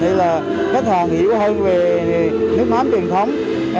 để khách hàng hiểu hơn về nước mắm truyền thống